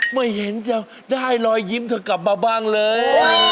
ไม่เห็นจะได้รอยยิ้มเธอกลับมาบ้างเลย